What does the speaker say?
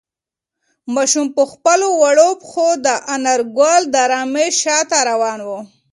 ماشوم په خپلو وړو پښو د انارګل د رمې شاته روان و.